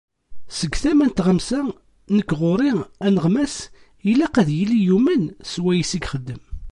Seg tama n tɣamsa, nekk ɣur-i aneɣmas ilaq ad yili yumen s wayes i ixeddem.